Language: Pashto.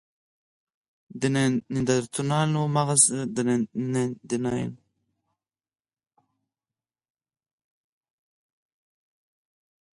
د نایندرتالانو مغز تر دې هم ستر و.